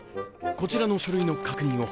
こちらの書類の確認を。